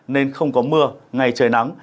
nên không có mưa ngày trời nào